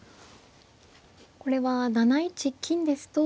これは７一金ですと。